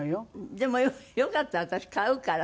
でもよかったら私買うから。